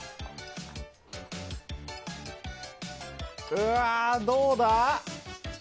うわ、どうだ？